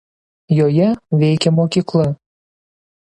Joje veikė mokykla.